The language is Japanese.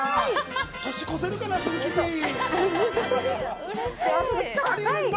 年越せるかな、鈴木Ｐ。